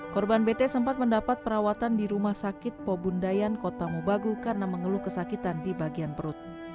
korban bt sempat mendapat perawatan di rumah sakit pobundayan kota mubagu karena mengeluh kesakitan di bagian perut